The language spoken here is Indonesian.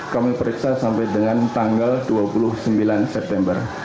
kami periksa sampai dengan tanggal dua puluh sembilan september